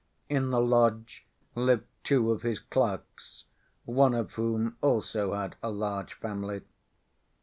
In the lodge lived two of his clerks, one of whom also had a large family.